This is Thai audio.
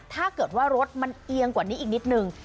ถ้าเกิดว่ารถมันเอียงกว่านี้อีกนิดนึง